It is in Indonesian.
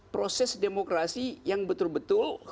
proses demokrasi yang betul betul